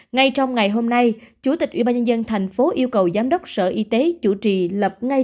ngay trong ngày hôm nay chủ tịch ubnd tp yêu cầu giám đốc sở y tế chủ trì lập ngay